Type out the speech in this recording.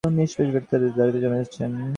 নিঃশ্বাস বেরুতে না বেরুতেই দাড়িতে জমে যাচ্চেন।